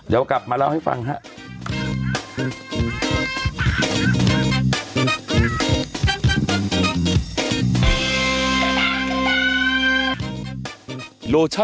เดี๋ยวกลับมาเล่าให้ฟังครับ